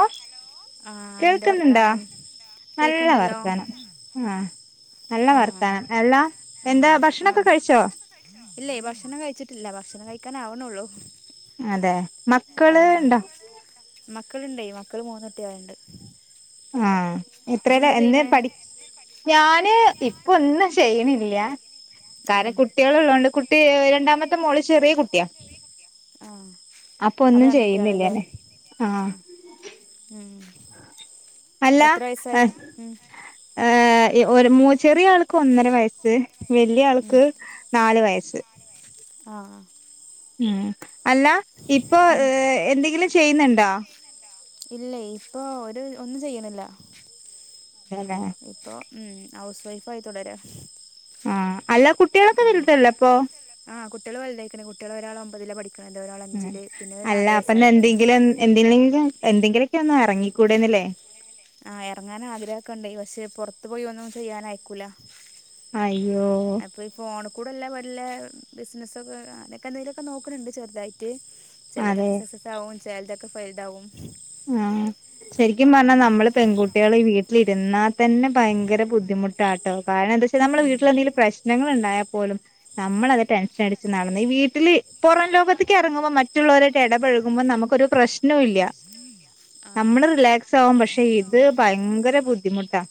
ഓഹ് ആ എന്താ കേൾക്ക്ന്ന്ണ്ടോ വർത്താനം നല്ല കേക്ക്ണ്ടല്ലോ വർത്താനം ആഹ് നല്ല ആ വർത്താനം എല്ലാ ആ എന്താ ആ ഭക്ഷണൊക്ക കഴിച്ചോ ഇല്ലേ ഭക്ഷണം കഴിച്ചിട്ടില്ല ഭക്ഷണം കഴിക്കാൻ ആവ്ണൊള്ളു അതെ മക്കള് ണ്ടൊ മക്കള് ണ്ടേയ് മക്കള് മൂന്നുട്ട്യാള്ണ്ട് ആഹ് എത്രേല എന്തെ ചെയ്യണേ പഠി ഞാന് ഇപ്പൊന്നും ചെയ്യ്ണില്ല ആ കാര കുട്ട്യോ ട്ട്യാള് ള്ളോണ്ട് കുട്ടി രണ്ടാമത്തെ മോള് ചെറിയ കുട്ട്യാ ആ അപ്പൊ അപ്പം ഒന്നും രണ്ട് കുട്ടികളല്ലേ ചെയ്യുന്നില്യന്നെ ആ ആഹ് ഉം അല്ല എത്ര വയസ്സായി ഉം, ഏഹ് ഒരു മൂ ചെറിയ ആൾക്ക് ഒന്നര വയസ്സ് ഉം, വെല്യാൾക്ക് നാല് വയസ്സ് ആ ഉം അല്ല ഇപ്പൊ ഉം. എന്തെങ്കിലും ചെയ്യ്ന്ന്ണ്ടോ ഇല്ല ഇപ്പൊ ഒരു ഒന്നും ചെയ്യ്ണില്ല തേലെ ഇപ്പൊ ഉം ഹൗസ് വൈഫായി തുടരാ ആ അല്ല കുട്ട്യാളൊക്കെ വെൽതല്ലപ്പൊ ആഹ് കുട്ട്യാള് വെൽതായ്ക്ക്ണ് കുട്ട്യാള് ഒരാള് ഒമ്പതില പഠിക്ക്ണത് ഒരാളഞ്ചില് പിന്നൊരു നാല് വയസ്സായ കുട്ട്യാ എന്തില്ലെങ്കിലും എന്തെങ്കിലൊക്കൊന്ന് എറങ്ങിക്കൂടെന്നില്ലേ ആ എറങ്ങാൻ ആഗ്രഹക്കൊണ്ട് പക്ഷെ പൊർത്ത് പോയി ഒന്നും ചെയ്യാനയക്കൂല അയ്യോ അപ്പി ഫോണ് കൂടെല്ല വല്ലെ ബിസിനസ്സൊക്കെ അങ്ങനൊക്കെ ന്തെലൊക്കെ നോക്ക്ണ് ണ്ട് ചെർതായിട്ട് ചെലോതൊക്കെ അതെ സെക്സസാവും ചെലേതൊക്കെ ഫെയ്ഡാവും ആ ശെരിക്കും പർഞ്ഞാ നമ്മള് പെൺകുട്ട്യാള് ഈ വീട്ടിലിരുന്നാ തന്നെ ഭയങ്കര ബുദ്ധിമുട്ടാട്ടോ കാരണെന്താച്ചാ ക്ഷെ നമ്മളെ വീട്ടിലെന്തെങ്കിലും പ്രശ്നങ്ങള്ണ്ടായാ പോലും നമ്മളത് ടെൻഷൻ അടിച്ച് നടന്ന് ഈ വീട്ടില് പൊറം ലോകത്ത്ക്ക് എറങ്ങുമ്പോ മറ്റുള്ളവരുവായിട്ട് എടപഴകുമ്പോ നമുക്കൊരു പ്രശ്നവും ഇല്ല ഉം ആ നമ്മള് റിലാക്സാവും പക്ഷെ ഇത് ഭയങ്കര ബുദ്ധിമുട്ടാ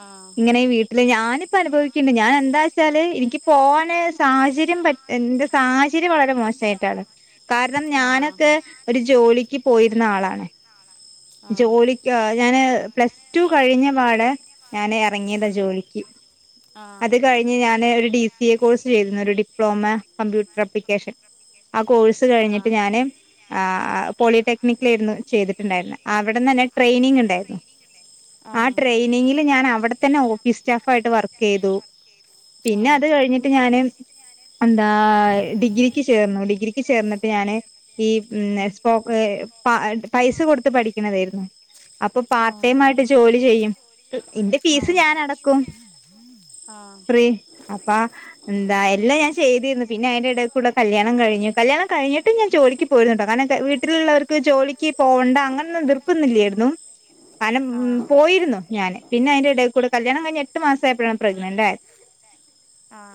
ആ ഇങ്ങനെ ഈ വീട്ടില് ഞാനിപ്പ അനുഭവിക്ക്ണ്ട് ഞാനെന്താച്ചാല് എനിക്ക് പോവാന് സാഹചര്യം പ എന്റെ സാഹചര്യം വളരെ മോശായിട്ടാണ് കാരണം ആ ഞാനൊക്കെ ഒരു ജോലിക്ക് പോയിര്ന്ന ആളാണ് ആ ജോലിക്ക് ഞാന് പ്ലസ് ടു കഴിഞ്ഞപാടെ ഞാന് എറങ്ങിയതാ ഉം ജോലിക്ക് ആ അത് കഴിഞ്ഞ് ഞാന് ഒരു ഡി സി എ കോഴ്സ് ചെയ്തിര്ന്നു ഒരു ഡിപ്ലോമ കമ്പ്യൂട്ടർ അപ്ലിക്കേഷൻ ആ കോഴ്സ് കഴിഞ്ഞിട്ട് ആഹ് ഞാന് ആ പോളിടെക് ക്നിലേര്ന്നു ചെയ്ടത്ട്ട്ണ്ടായിര്ന്നെ അവ്ട്ന്നെന്നെ ട്രെനിങ്ങ്ണ്ടായിരുന്നു ആ ആഹ് ട്രെയിനിങ് ങ്ങില് ഞാൻ അവടെ തന്നെ ഓഫീസ് സ്റ്റാഫായിട്ട് വർക്കെയ്തു പിന്നെ ആഹ് അത് കഴിഞ്ഞിട്ട് ഞാന് എന്താ ഡിഗ്രിക്ക് ചേർന്നു ഡിഗ്രിക്ക് ചേർന്നിട്ട് ഞാന് ഈ പിന്നെ ഉം സ്പോക് പ പൈസ കൊടുത്ത് പഠിക്കണതായിരുന്നു അപ്പൊ ആഹ് ആഹ് ആഹ് പാർട്ട് ആഹ് ടൈം ആയിട്ട് ജോലി ചെയ്യും ഇന്റെ ഫീസ് ഞാനടക്കും ഫ്രീ അപ്പ എന്താ എല്ലാഞാൻ ചെയ്തിരുന്നു പിന്നെ അയിന്റെഎടേകൂടെ കല്യാണം കഴിഞ്ഞു കല്യാണം കഴിഞ്ഞിട്ട് ഞാൻ ജോലിക്ക് പോയിരുന്നുട്ടോ കാരണം വീട്ടിലുള്ളവർക്ക് ജോലിക്ക് പോകണ്ട അങ്ങനൊന്നുംതിർപ്പുന്നില്ലായിരുന്നു കാരണം ഉം ആഹ് പോയിരുന്നു ഞാന് പിന്നെ അതിന്റെ എടേകൂടെ കല്യാണം കഴിഞ്ഞ് എട്ട് മാസായപ്പോഴാണ് പ്രഗ്നന്റ് ആയത് [unintelligible]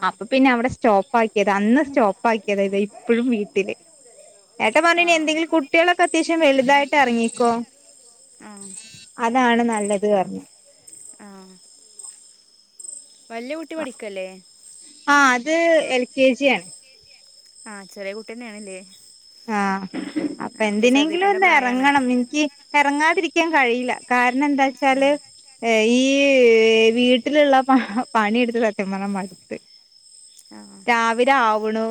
അപ്പൊ പിന്നെ അവിടെ സ്റ്റോപ്പ് ആക്കിയതാ അന്ന് സ്റ്റോപ്പ് ആക്കിയതാ ഇത് ഇപ്പോഴും വീട്ടില് ഏട്ടൻ പറഞ്ഞ് ഇനി ആഹ് എന്തങ്കിലും കു കുട്ടികളൊക്കെ അത്യാവശ്യം വലുതായിട്ട് എറങ്ങിക്കോ ആഹ് ആഹ് അതാണ് നല്ലത് പറഞ്ഞു ആഹ് വല്ല്യ കുട്ടി പഠിക്കല്ലേ ആഹ് അത് എൽ കെ ജി ആണ് ആഹ് ചെറിയ കുട്ടി അന്നെയാണല്ലേ ആഹ് അപ്പ എന്തിനെങ്കിലും ശ്രദ്ധിക്കേണ്ട പ്രായാണ് ഒന്നെറങ്ങണം എനിക്ക് എറങ്ങാതിരിക്കാൻ കഴിയില്ല കാരണം എന്താച്ചാല് ഏഹ് ഈ ആഹ് വീട്ടിലുള്ള പണിയെടുത്ത് സത്യ പറഞ്ഞാ മടുത്ത് ആഹ് രാവിലെ ആവുണു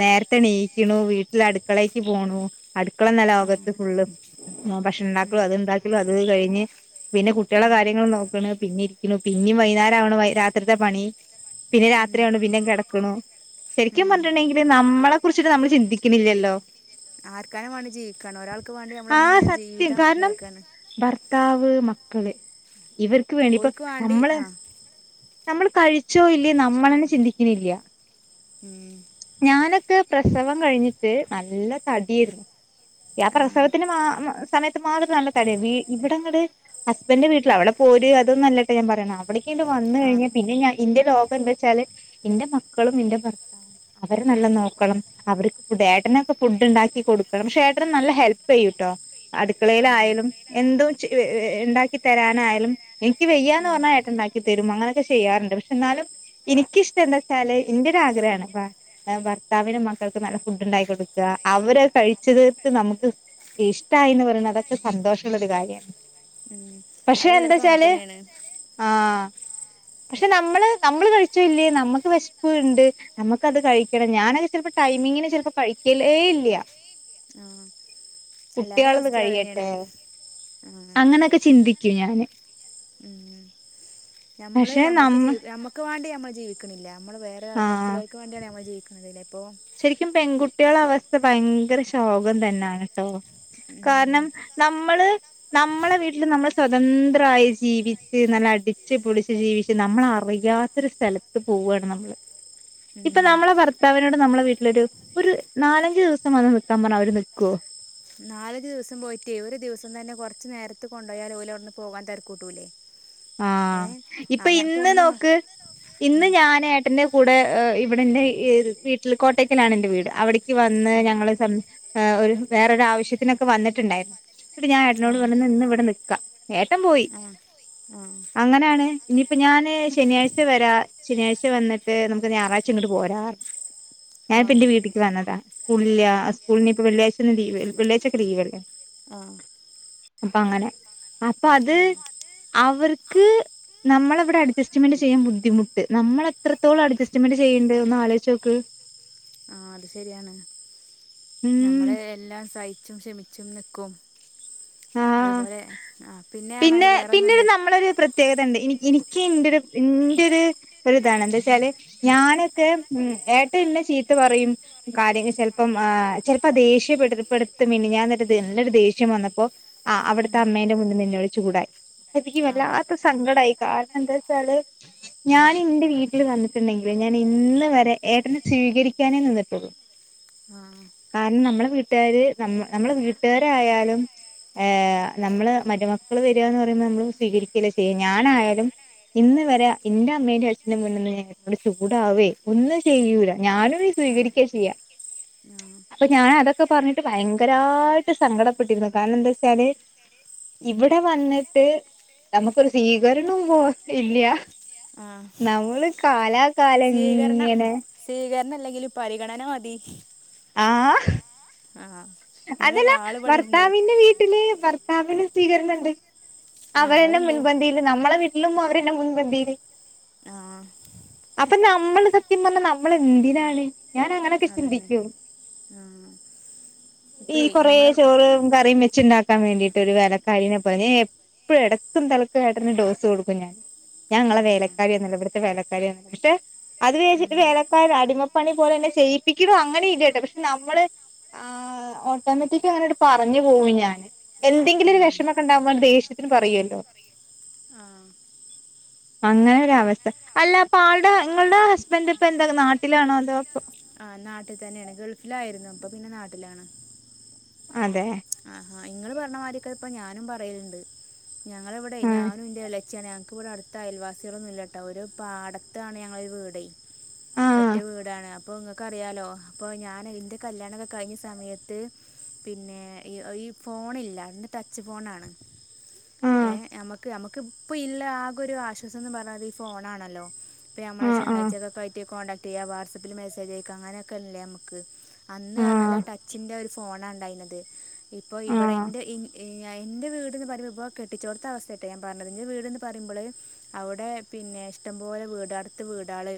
നേരത്തെ എണീക്കണു വീട്ടി ലടുക്കളേക്ക് പോണു അടുക്കള എന്ന ആഹ് ലോകത്ത് ഫുള്ളും ആ ഭക്ഷണുണ്ടാക്കലും ഉം അത് ഉണ്ടാക്കലും അത് കഴിഞ്ഞ് പിന്നെ കുട്ടികളെ ഉം കാര്യങ്ങൾ നോക്കണ് പിന്നെ ഇരിക്കണു പിന്നെയും വൈകുന്നേരാവണ് ആ രാത്രിത്തെ പണി പണി പിന്നെ ഉം രാത്രിയാവണ് പിന്നേം കെടക്കണു ശരിക്കും ഉം പറഞ്ഞിട്ട്ണ്ടെങ്കില് നമ്മളെ കുറിച്ചിട്ട് നമ്മൾ ചിന്തി ക്കിണില്ലല്ലോ ആർക്കാനും വേണ്ടി ജീവിക്കാണ് ഒരാൾക്ക് വേണ്ടി ആഹ് നമ്മളിങ്ങനെ സത്യം ജീവിതം കാരണം ഇതാക്കാണ് ഭർത്താവ് മക്കള് ഇവർക്ക് വേണ്ടി ഇപ്പൊ ഓര്ക്ക് വേണ്ടി നമ്മള് ആഹ് നമ്മള് കഴിച്ചോ ഇല്ലേ നമ്മളന്നെ ചിന്തിക്കണില്ല്യ ഉം ഞാനൊക്കെ പ്രസവം കഴിഞ്ഞിട്ട് നല്ല തടിയേരുന്നു ആ ആഹ് പ്രസവത്തിന് മാ മാ സമയത്ത് മാത്രം നല്ല തടിയാ ഇവിടങ്ങട് ഹസ്ബന്റെ വീട്ടിൽ അവിടെ പോര് അതൊന്നല്ലട്ടാ ഞാൻ പറയണ അവിടേക്കണ്ട് വന്ന് ആഹ് കഴിഞ്ഞാ പിന്നെ ഞാൻ ഇൻ്റെ ലോകം എന്താച്ചാല് ന്റെ മക്കളും ന്റെ ഭർത്താവും അവരെ നല്ല നോക്കണം അവർക്ക് ഫുഡ് ഏട്ടനൊക്കെ ഫുഡ് ഉണ്ടാക്കി കൊടുക്കണം പക്ഷേ ഏട്ടന് നല്ല ഹെൽപ്പെയുട്ടോ ആഹ് അടുക്കളേലായാലും എന്തോ ചെ ഏ ഇണ്ടാക്കി തരാനായാലും എനിക്ക് വെയ്യാ ന്ന് ഉം പറഞ്ഞാ ഏട്ട ഇണ്ടാക്കി തരും അങ്ങനൊക്കെ ചെയ്യാറുണ്ട് പക്ഷെ എന്നാലും ഇനിക്കിഷ്ടം എന്താച്ചാല് ന്റെ ഒരാഗ്രഹാണ് ഏഹ് ഭർത്താവിനും മക്കൾക്കും നല്ല ഫുഡ് ഉണ്ടാക്കി കൊടുക്കുക അവര് കഴിച്ചതത്ത് നമുക്ക് ഇഷ്ടായിന്ന് പറയുന്ന അതൊക്കെ സന്തോഷൊള്ളൊരു കാര്യാണ് ഉം പക്ഷെ അതെല്ലാർക്കും അങ്ങനെ എന്താച്ചാല് തന്നെയാണ് ആഹ് പക്ഷെ നമ്മള് നമ്മള് കഴിച്ചോഇല്ലേ നമ്മുക്ക് വിശപ്പ് ഉണ്ട് നമുക്കത് കഴിക്കണം ഞാനെക്കെ ചെലപ്പോ ടൈമിങ്ങിന് ചെല പ്പൊ കഴിക്കലേ ഇല്ല ആഹ് എല്ലാരേം കുട്ടികളത് അവസ്ഥയും കഴിയട്ടെ അതന്നെയാണ് അങ്ങനെയൊക്കെ ചിന്തിക്കും ഞാന് ഉം ഉം ഞമ്മള് പക്ഷെ ഞമ്മക്ക് നമ്മ ജീവി ഞമ്മക്ക് വേണ്ടി ഞമ്മള് ജീവിക്കണില്ല നമ്മള് വേറെ ആ മറ്റുള്ളവർക്ക് വണ്ടിയാണ് നമ്മൾ ജീവിക്കുന്നത് ലേ പ്പോം ശരിക്കും പെൺകുട്ട്യാള അവസ്ഥ ഭയങ്കര ശോകം തന്നെണ് ട്ടോ കാരണം നമ്മള് നമ്മളെ വീട്ടില് നമ്മൾ സ്വതന്ത്രായി ജീവിച്ച് നല്ല അടിച്ച് പൊളിച്ച് ജീവിച്ച് നമ്മള അറിയാത്ത ഒരു സ്ഥലത്ത് പോവാണ് നമ്മള് ഇപ്പൊ നമ്മളെ ഭർത്താവിനോട് നമ്മളെ വീട്ടിലൊരു ഒരു നാലഞ്ചു ദിവസം വന്ന് നക്കാൻ പറഞ്ഞാ അവര് നിക്കുവോ നാലഞ്ചു ദിവസം പോയിറ്റേ ഒരു ദിവസം തന്നെ കുറച്ച് നേരത്ത് കൊണ്ടോയാല് ഓലവ്ട്ന്ന് പോകാൻ തര് ക്കൂട്ടൂലേ ആ ഇപ്പ ഇന്ന് ഒന്നും മ- നോക്ക് ഇന്ന് ഉം. ഞാനേട്ടന്റെ കൂടെ ഇവിടെന്നെ ഇര് തീട്ട്ല് കോട്ടക്കലാണ് ന്റെ വീട് അവിടേക്ക് വന്ന് ആ ഞങ്ങള് സം ഹ് ഒരു വേറൊരു ആവശ്യത്തിനൊക്കെ വന്നിട്ടുണ്ടായിര്ന്നു ഇന്ന്ട്ട് ഞാൻ ആ ഏട്ടനോട് പറഞ്ഞു ഇന്ന് ന്ന് വടെ നിക്ക ഏട്ടം പോയി ആഹ് ആഹ് അങ്ങനെയാണ് ഇനിയിപ്പോ ഞാന് ശനിയാഴ്ച വരാ ശനിയാഴ്ച വന്നിട്ട് നമുക്ക് ഞായറാഴ്ച ഇങ്ങോട്ട് പോരാന്ന് അ ആ ഞാന്പ്പന്റെ വീട്ട്ക്ക് വന്നതാ സ്കൂളില്ലാ ആ സ് സ്കൂൾ ഞ്ഞിപ്പ വെള്ളിയാഴ്ചല്ലെ ലീവ് വള്ളിയാഴ്ച്ചൊക്കെ ലീവല്ലേ ആഹ് അപ്പ അങ്ങനെ അപ്പൊ അത് അവർക്ക് നമ്മള വ്ടെ അഡ്ജസ്റ്റ്മെന്റ് ചെയ്യാൻ ബുദ്ധിമുട്ട് നമ്മൾ എത്രത്തോളം അഡജസ്മെന്റ് ചെയ്യ്ണ്ട് ഒന്ന് ആലോയ്ച്ചോക്ക് ആ അത് ശരിയാണ് ഉം ഞമ്മള് എല്ലാം സഹിച്ചും ക്ഷമി ചച്ചും നിക്കും ആഹ് അതുപോലെ ആ പിന്നെർഞ്ഞാല് വേറൊന്ന് ണ്ട് നമ്മളൊര് പ്ര ത്യേകതണ്ട് എനി എനിക്ക് എന്റെ ഒരു എന്റെറ ഒര് ഒരുതാണ് എന്താ ച്ചാല് ഞാനൊക്കെ ഉം ഏട്ട ഇന്നെ ചീത്ത പറയും കാര്യങ്ങ ചിലപ്പം ചിലപ്പോ ദേഷ്യപ്പെട് പ്പെടുത്ത മനിഞ്ഞാന്ന് ഒര് ത് നല്ലൊ ദേഷ്യം വന്നപ്പോ ആ അവിടത്തെ ഉം. അമ്മേന്റെ മുന്ന്ന്ന് ന്നോട് ചൂടായി അത് ക്ക് ആ, അവൻ ചോദിച്ചുകൂടാ. ആ വല്ലാത്ത സങ്കടായി കാരണംന്താ ച്ചാല് ഉം. ഞാന് ന്റെ വീട്ടില് വന്നിട്ടുണ്ടെങ്കില് ഞാൻ ഇന്ന് വരെ ഏട്ടനെ സ്വീകരിക്കാനേ നിന്നിട്ടുള്ളൂ ആ കാരണം നമ്മളെ വീട്ടുകാര് നമ്മ നമ്മളെ വീട്ടുകാരായാലും ഏ നമ്മള് മരുമക്കള് വരാ ന്ന് പറയുമ്പോ നമ്മള് സ്വീകരിക്കല്ലേ ചെയ്യ ഞാനായാലും ഇന്ന് വരെ ഇന്റെ അമ്മേന്റെ അച്ഛന്റെ മുന്നിന്ന് ഞ്ഞാൻ അങ്ങ്ട് ചൂടാവേ ഒന്നും ചെയ്യൂല ഞാനും സ്വീകരിക്കാ ചെയ്യാ ഉം. അപ്പോ ഞാൻ അതൊക്കെ പറഞ്ഞിട്ട് ഭയങ്കരായിട്ട് സങ്കടപ്പെട്ടിരുന്നു കാരണം എന്താ വെച്ചാല് ഇവിടെ വന്നിട്ട് നമുക്കൊരു സ്വീകരണവും പോലും ഇല്ല്യ ആ ആ നമ്മള് കാലാ സ്വീകരണം സ്വീകരണല്ലെങ്കിലും പരിഗണന മതി ആ ആഹ് ഇങ്ങനെ അതല്ല ഒരാള് ഇവിടെണ്ട് ഭർത്താവിന്റെ വീട്ടില് ഭ ഭർത്താവ് സ്വീകരണണ്ട് ആഹ് അവരന്നെ അത്ണ്ട് മുൻപന്തിയില് നമ്മളെ വീട്ടിലും അവരന്നെ മുൻപന്തിയില് ആഹ് അപ്പൊ നമ്മള് സത്യം പറഞ്ഞാ നമ്മള് എന്തിനാണ് ഞാൻ അങ്ങനെയൊക്കെ ചിന്തിക്കും ഉം ഈ കൊറെേ ചോറ് കറിയും വെച്ചുണ്ടാ ക്കാൻ വേണ്ടിയിട്ട് ഒരു വേലക്കാരിനെ പോലെ ഞാൻ എപ്പോഴും എടക്കും തലക്കും ഏട്ടന് ഡോസ് കൊടുക്കും ഞാൻ ഞാൻങ്ങള ആഹ് വേലക്കാരി ഒന്നല്ല ഇവിടുത്തെ വേലക്കാരി പക്ഷെ അത് ഉം വേച്ചിട്ട് ആഹ് വേലക്കാർ അടിമപ്പണി പോലെന്നെ ചെയയിപ്പിക്ണ് അങ്ങനെ ഇല്ലട്ടെ പക്ഷെ നമ്മള് ആഹ് ഓട്ടോമാറ്റിക് അങ്ങനെങ്ങട്ട് പറഞ്ഞു പോവും ഞാന് എന്തെങ്കിലൊരു വെഷമൊക്കെണ്ടാകുമ്പ ദേഷ്യത്തിന് പറയുയല്ലോ ആഹ് [unintelligible] അങ്ങനൊരവസ്ഥ. അല്ല അപ്പൊ ആളുടെ നിങ്ങളുടെ ഹസ്ബന്റ് ഇപ്പൊ എന്താ നാട്ടിലാണോ അതോ ആഹ് നാട്ടിതന്നെയാണ്. ഗൾഫിലായിരുന്നു ഇപ്പൊ പിന്നെ നാട്ടിലാണ്. അതെ ആഹാ ഇങ്ങള് പറഞ്ഞമാതിരിക്കെ ഇപ്പൊ ഞാനും പറയല്ണ്ട്. ഞങ്ങള ഇവിടെ ആഹ് ഞാനും ഇന്റെ എളെ ച്ചി ഞങ്ങക്കവിടെ അടുത്ത് അയൽവാസികളൊന്നും ഇല്ലട്ടോ ഒരു പാടത്താണ് ഞങ്ങളൊരു വീടേ. ആഹ് ഒറ്റ വീടാണാ അ അപ്പോ നിങ്ങക്ക് അറിയാലോ അപ്പോ ഞാൻ എന്റെ കല്യാണൊക്കെ കഴിഞ്ഞ സമയത്ത് പിന്നെ ഈ ഈ ഫോണില്ല അന്ന് ടച്ച് ഫോണാണ്. ആഹ് ഏഹ് നമ്മക്ക് നമ്മക്ക് ഇപ്പെ ഇല്ല ആകെ ഒരു ആശ്വാസന്ന് പറഞ്ഞാല് ഈ ഫോണാണല്ലോ. ഇപ്പൊ നമ്മളെ ആഹ് ആഹ് ചെങ്ങായിചെക്കെ ആയിട്ട് കോണ്ടാക്ട് ചെയ്യ വാട്സപ്പിൽ മെസ്സേജ് അയക്കാ അങ്ങനൊക്കെല്ലേ നമ്മക്ക് അന്ന് പറഞ്ഞല് ആ ആഹ് ടച്ചിന്റെ ഒരു ഫോണാണ്ടായിന്നത് ഇപ്പൊ ഇവിടെ ആഹ് ഇന്റെ എന്റെ വീട്ന്ന് പറയ്മ്പോ കെട്ടിച്ചോടുത്ത അവസ്ഥയാട്ടാ ഞാൻ പറഞ്ഞത്. എന്റെ വീട്ന്ന് പറയുമ്പള് അവിടെ പിന്നെ ഇഷ്ടംപോലെ വീടടുത്ത് വീടാള്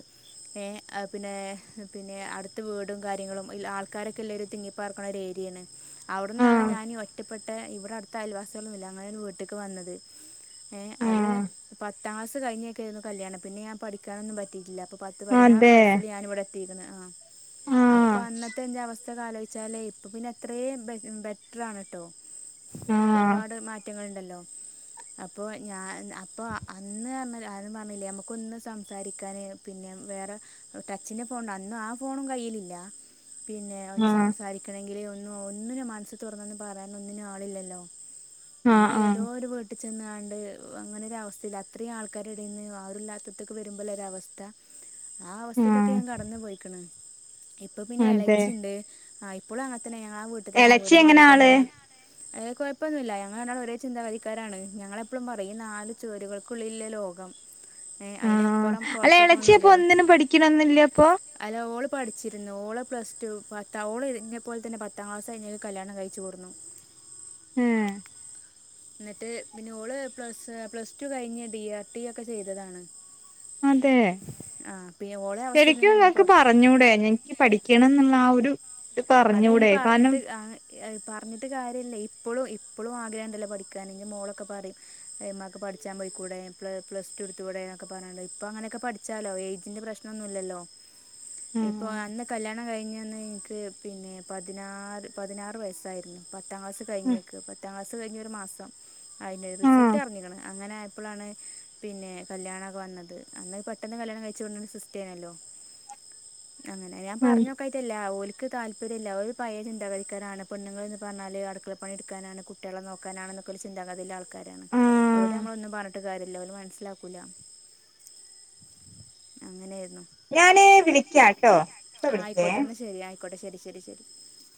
ഏഹ് പിന്നെ പിന്നെ അടുത്ത് വീടും കാര്യങ്ങളും ആൾക്കാരൊക്കെല്ലൊരു തിങ്ങിപ്പാർക്കുന്ന ഒരു ഏരിയാണ്. അവിടെന്നാണ് ആഹ് ഞാനി ഒറ്റപ്പെട്ട ഇവിടെ അട്ത്ത് അയൽവാസി ഒന്നൂല്ല. അങ്ങനരു വീട്ട്ക്ക് വന്നത്. ഏഹ് അത് ആഹ് പത്താം ക്ലാസ് കഴിഞ്ഞൊക്കൊയിരുന്നു കല്യാണം പിന്നെ ഞാൻ പഠിക്കാനൊന്നും പറ്റിയിട്ടില്ല. അപ്പൊ പത്ത് പതിനാറ് അതെ വയസ്സില് ഞാനിവിടെ എത്തീക്ക്ണ്. ആഹ് ആഹ് അപ്പൊ അന്നത്തെ ഇന്റെ അവസ്ഥയൊന്ന് ആലോജിച്ച് ച്ചാല് ഇപ്പോ പിന്നെ അത്രേം ബെറ്ററാണ്ട്ട്ടോ ആഹ് ഒരുപാട് മാറ്റങ്ങള്ണ്ടല്ലോ അപ്പോ ഞാൻ അപ്പൊ അന്ന് [unintelligible] ഞാൻ പറഞ്ഞില്ലെ നമുക്കൊന്ന് സംസാരിക്കാന് പിന്നെ വേറെ ടച്ചിന്റെ ഫോൺ അന്നും ആ ഫോണും കയ്യിലില്ല. പിന്നെ ഒന്ന് ആഹ് സംസാരി ക്കണെങ്കില് ഒന്ന് ഒന്നിനു മനസ്സ് തുറന്നൊന്ന് പറയാനൊന്നിനും ആളില്ലല്ലോ ആഹ് നമ്മളെ ഏ ആഹ് ഒരു വീട്ടി ചെന്നാണ്ട് അങ്ങനൊരു അവസ്ഥയില അത്രയും ആൾക്കാര്ടെടേന്ന് ആരുല്ലാത്തത്തക്ക്‌ വരുമ്പോള്ള ഒരു അവസ്ഥ ആ അവസ്ഥയിലൊക്കെ ആഹ് ഞാൻ കടന്നു പോയിക്കണ്. ഇപ്പൊ പിന്നെ അതെ എളേച്ചിണ്ട്. ആഹ് ഇപ്പോളും അങ്ങന തന്നെ ഞങ്ങള്ള് ആ വീട്ടിൽ തന്നെ. എളച്ചി വീട് എങ്ങനെ ആള് മാറിട്ടൊന്നുല്ല. കൊഴപ്പൊന്നുല്ല ഞങ്ങള് രണ്ടാള് ഒരേ ചിന്താപതിക്കാരാണ്. ഞങ്ങളെപ്പോഴും പറയും നാല് ചൊവരുകൾക്കുള്ളിലെ ലോകം ഏഹ് അതിൻ്റെ ആഹ്, അപ്പുറം അല്ല എളേച്ചിയപ്പൊ പുറത്തേക്കൊന്നുമില്ലല്ലോ ഒന്നിനും പഠിക്കണൊന്നില്ലെ അപ്പൊ? അല്ല ഓള് പഠിച്ചിരുന്നു. ഓളെ പ്ലസ് ടു പത്താം ഓള് എന്നെപോലെ തന്നെ പത്താം ക്ലാസ്കയിഞ്ഞ് കല്യാണം കഴിച്ച് കൊടുന്നു. ഉം എന്നിട്ട് പിന്നെ ഓള് പ്ലസ് പ്ലസ് ടു കഴഞ് ഡി ആർ ടി ഒക്കെ ചെയ്തതാണ്. അതെ ആഹ് പി ഓളേ അവസ്ഥ ശരിക്കും ഇങ്ങക്ക് ഇതന്നെയാണ്പ്പോ. പറഞ്ഞൂടെ എനിക്ക് പഠിക്കണെന്നുള്ള ആ ഒരു ത് അതതിന് പറഞ്ഞൂടെ കാരണം പറഞ്ഞിട്ട് പറഞ്ഞിട്ട് കാര്യല്ല. ഇപ്പളും ഇപ്പളും ആഗ്രഹോണ്ടല്ലോ പഠിക്കാന് എന്റെ മോളൊക്കെ പറയും ഇമ്മാക്ക് പഠിച്ചാൻ പൊയിക്കൂടെ, പ്ല പ്ലസ് ടു എടുത്തൂടെ ഒക്കെ പറഞ്ഞാണ്ട് ഇപ്പ അങ്ങനെയൊക്കെ പഠിച്ചാലോ ഏജ്ന്റെ പ്രശ്നം നൊന്നൂല്ലല്ലോ. ഇപ്പ ആഹ് അന്ന് കല്ല്യാണം കഴിഞ്ഞന്ന് എൻക്ക് പിന്നെ പതിനാറ് പതിനാറ് വയസ്സായിരുന്നു. പത്താം ക്ലാസ് കഴിഞ്ഞേക്ക്. പത്താം ക്ലാസ് കഴിഞ് ഒരു മാസം അയിന്റെ റിസൾട്ട് ആഹ് അറിഞ്ഞ്ക്കണ്. അങ്ങനെ ആയപ്പോഴാണ് പിന്നെ കല്ല്യാണൊക്കെ വന്നത് അന്ന് പെട്ടെന്ന് കല്യാണം കഴിച്ചു വിടുന്ന ഒരു സിസ്റ്റേയ്നല്ലോ. [unintelligible] അങ്ങനെ ഞാൻ പറഞ്ഞോക്കായ്റ്റല്ല ഓൽക്ക് താല്പര്യല്ല അവര് ഒരു പഴയെ ചിന്താകതിക്കാരാണ് പെണ്ണുങ്ങൾ എന്ന് പറഞ്ഞാല് അടുക്കള പണി എടുക്കാനാണ് കു ട്ടികളെ നോക്കാനാണെന്നൊക്കെ ഒരു ചിന്താഗതിയുള്ള ആൾക്കാരാണ് ഓരോട് ആഹ് നമ്മളൊന്നും പറഞ്ഞിട്ട് കാര്യല്ല ഓൽ മനസ്സിലാക്കൂല അങ്ങനായിരുന്നു ഞാന് വിളിക്കാട്ടോ ഇപ്പ ആഹ് വിളിക്കേ ആയിക്കോട്ടെന്ന ശരി ആയിക്കോട്ടെ ശരി ശരി ശരി